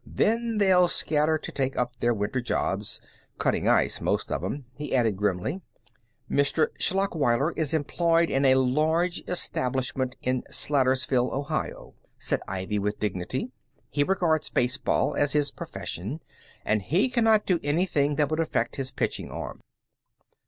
Then they'll scatter to take up their winter jobs cutting ice, most of 'em," he added, grimly. "Mr. Schlachweiler is employed in a large establishment in Slatersville, Ohio," said Ivy, with dignity. "He regards baseball as his profession, and he cannot do anything that would affect his pitching arm."